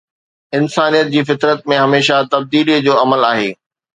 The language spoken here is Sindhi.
انسانيت جي فطرت ۾ هميشه تبديلي جو عمل آهي